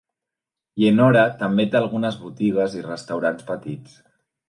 Yennora també té algunes botigues i restaurants petits.